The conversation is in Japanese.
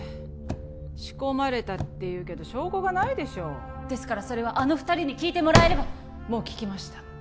仕込まれたっていうけど証拠がないでしょですからそれはあの二人に聞いてもらえればもう聞きました